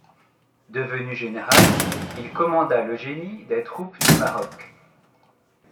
Devenu général, il commanda le Génie des troupes du Maroc.